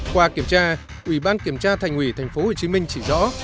qua kiểm tra ủy ban kiểm tra thành ủy tp hcm chỉ rõ